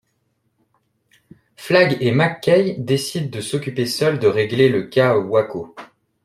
Flagg et McKaye décident de s'occuper seuls de régler le cas Waco...